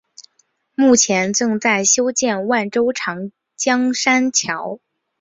目前正在修建万州长江三桥。